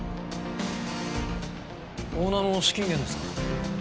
オーナーの資金源ですか？